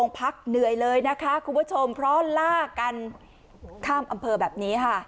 พักเหนื่อยเลยนะคะคุณผู้ชมเพราะลากกันข้ามอำเภอแบบนี้ค่ะ